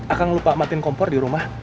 akan lupa matiin kompor di rumah